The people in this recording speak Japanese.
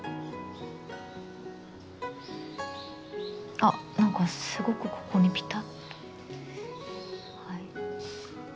あっ何かすごくここにピタッと。